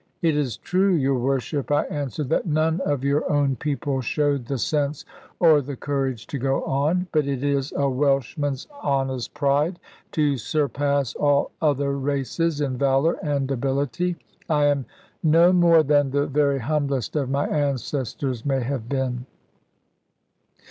"It is true, your Worship," I answered, "that none of your own people showed the sense or the courage to go on. But it is a Welshman's honest pride to surpass all other races in valour and ability. I am no more than the very humblest of my ancestors may have been."